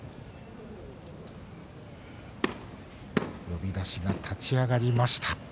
呼出しが立ち上がりました。